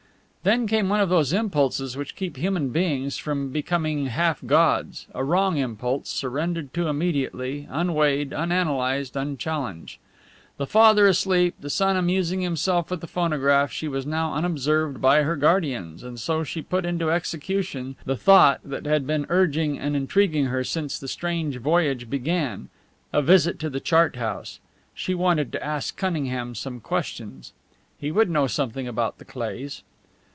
Then came one of those impulses which keep human beings from becoming half gods a wrong impulse, surrendered to immediately, unweighed, unanalyzed, unchallenged. The father asleep, the son amusing himself with the phonograph, she was now unobserved by her guardians; and so she put into execution the thought that had been urging and intriguing her since the strange voyage began a visit to the chart house. She wanted to ask Cunningham some questions. He would know something about the Cleighs.